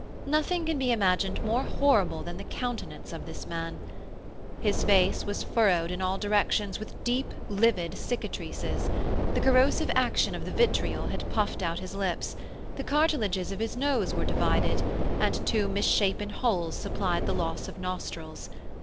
Nothing can be imagined more horrible than the countenance of this man. His face was furrowed in all directions with deep, livid cicatrices; the corrosive action of the vitriol had puffed out his lips; the cartilages of his nose were divided, and two misshapen holes supplied the loss of nostrils.